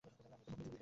আমি একটা ফোন পেয়েছি!